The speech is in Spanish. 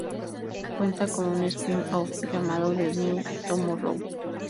Cuenta con un spin-off llamado The New Tomorrow.